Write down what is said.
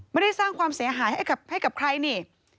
ไม่ได้สร้างความเสียหายให้กับใครนี่